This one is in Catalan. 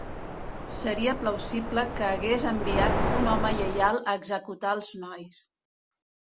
Seria plausible que hagués enviat un home lleial a executar els nois.